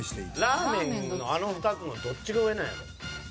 ラーメンのあの２つのどっちが上なんやろ？